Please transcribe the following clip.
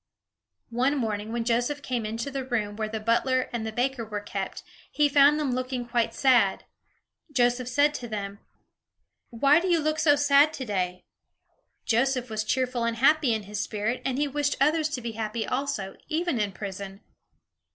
One morning, when Joseph came into the room where the butler and the baker were kept, he found them looking quite sad. Joseph said to them: "Why do you look so sad today?" Joseph was cheerful and happy in his spirit; and he wished others to be happy also, even in prison.